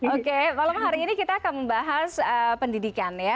oke malam hari ini kita akan membahas pendidikan ya